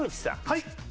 はい。